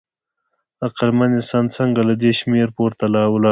عقلمن انسان څنګه له دې شمېر پورته ولاړ؟